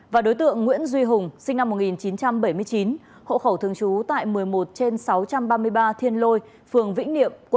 và đối tượng nguyễn duy hùng sinh năm một nghìn chín trăm bảy mươi chín hộ khẩu thường trú tại một mươi một trên sáu trăm ba mươi ba thiên lôi phường vĩnh niệm